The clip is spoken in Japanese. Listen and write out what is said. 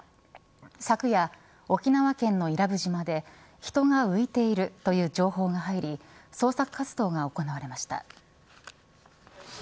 昨夜、沖縄県の伊良部島で人が浮いているという情報が入り捜索活動が行われました。